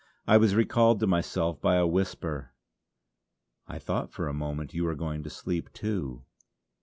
I was recalled to myself by a whisper: "I thought for a moment you were going to sleep too.